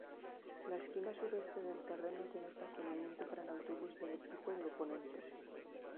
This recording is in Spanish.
La esquina sureste del terreno tiene estacionamiento para el autobús del equipo del oponente.